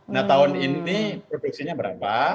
nah tahun ini produksinya berapa